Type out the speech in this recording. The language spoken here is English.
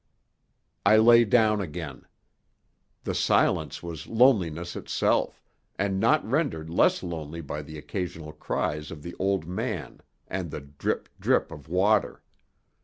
I lay down again. The silence was loneliness itself, and not rendered less lonely by the occasional cries of the old man and the drip, drip of water.